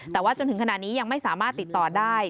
แต่ว่าจนถึงขณะนี้ยังไม่สามารถติดต่อได้